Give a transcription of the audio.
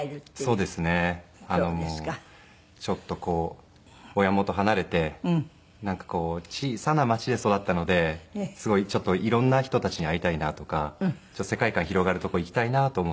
ちょっと親元離れてなんかこう小さな町で育ったのですごい色んな人たちに会いたいなとか世界観広がる所行きたいなと思って。